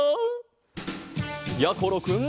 やころくん。